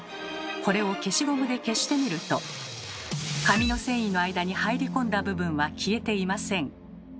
これを消しゴムで消してみると紙の繊維の間に入り込んだ部分は消えていません。